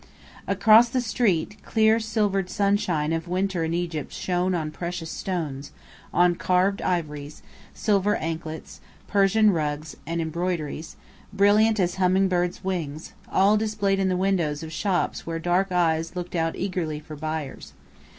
Across the street, clear silver gold sunshine of winter in Egypt shone on precious stones, on carved ivories, silver anklets, Persian rugs, and embroideries, brilliant as hummingbirds' wings, all displayed in the windows of shops where dark eyes looked out eagerly for buyers.